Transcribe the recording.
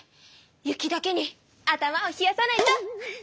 雪だけに頭を冷やさないと！